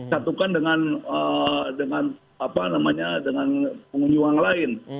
satukan dengan pengunjung yang lain